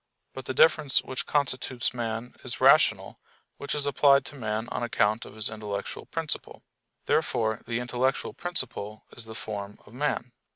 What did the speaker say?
But the difference which constitutes man is "rational," which is applied to man on account of his intellectual principle. Therefore the intellectual principle is the form of man.